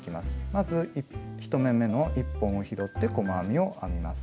まず１目めの１本を拾って細編みを編みます。